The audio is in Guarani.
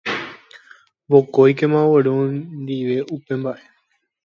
vokóikema ogueru ondive upe mba'e.